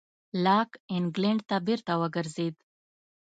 لاک انګلېنډ ته بېرته وګرځېد.